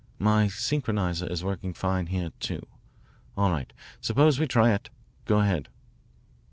My synchroniser is working fine here, too. All right. Suppose we try it. Go ahead."